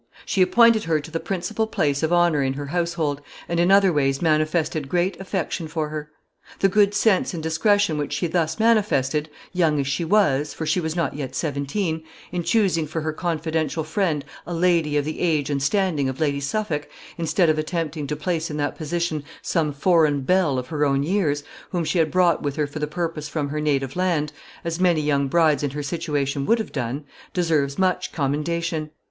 She appointed her to the principal place of honor in her household, and in other ways manifested great affection for her. The good sense and discretion which she thus manifested young as she was, for she was not yet seventeen in choosing for her confidential friend a lady of the age and standing of Lady Suffolk, instead of attempting to place in that position some foreign belle of her own years, whom she had brought with her for the purpose from her native land, as many young brides in her situation would have done, deserves much commendation.